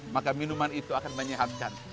maka minuman itu akan menyehatkan